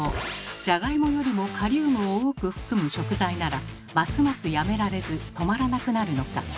じゃがいもよりもカリウムを多く含む食材ならますますやめられず止まらなくなるのか。